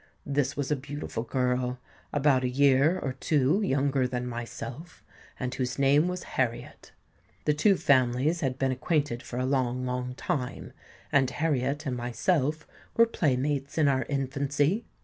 This was a beautiful girl, about a year or two younger than myself, and whose name was Harriet. The two families had been acquainted for a long, long time; and Harriet and myself were playmates in our infancy.